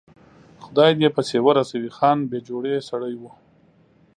خدای یې دې پسې ورسوي، خان بې جوړې سړی و.